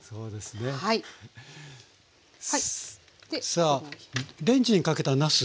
さあレンジにかけたなす